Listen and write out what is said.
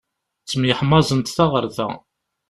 Ttemyeḥmaẓent ta ɣer ta.